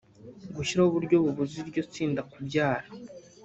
gushyiraho uburyo bubuza iryo tsinda kubyara